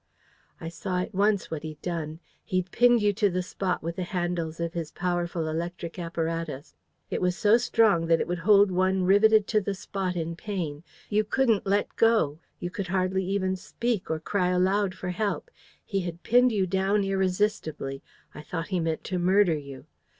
"I saw at once what he'd done. He'd pinned you to the spot with the handles of his powerful electric apparatus. It was so strong that it would hold one riveted to the spot in pain. You couldn't let go. You could hardly even speak or cry aloud for help. He had pinned you down irresistibly. I thought he meant to murder you.